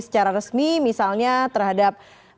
secara resmi misalnya terhadap